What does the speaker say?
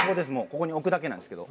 ここに置くだけなんですけど。